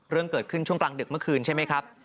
เรื่องเกิดขึ้นช่วงกลางดึกเมื่อคืนใช่ไหมครับ